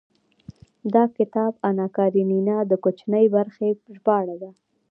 دا کتاب اناکارينينا د کوچنۍ برخې ژباړه ده.